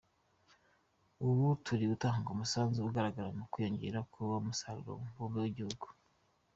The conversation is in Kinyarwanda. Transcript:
Ubu turi gutanga umusanzu ugaragara mu kwiyongera ku musaruro mbumbe w’igihugu.